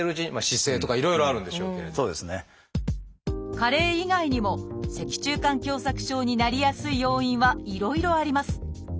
加齢以外にも脊柱管狭窄症になりやすい要因はいろいろあります。